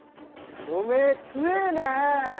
おめえ強えなー！